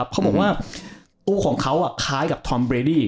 เขาบอกว่าตู้ของเขาคล้ายกับทอมเบรดี้